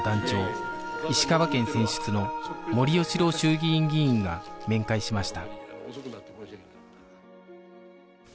石川県選出の森喜朗衆議院議員が面会しました